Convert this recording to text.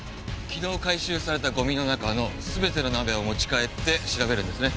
昨日回収されたゴミの中のすべての鍋を持ち帰って調べるんですね。